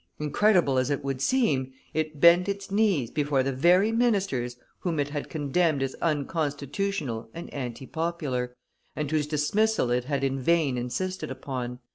Incredible as it would seem, it bent its knees before the very ministers whom it had condemned as unconstitutional and anti popular, and whose dismissal it had in vain insisted upon.